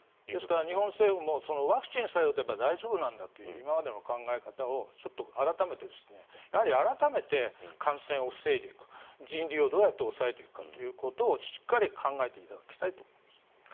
日本政府もワクチンさえ打てば大丈夫なんだという今までの考え方をちょっと改めてやはり改めて感染を防いでいく人流をどうやって抑えていくかということをしっかり考えていただきたいと思います。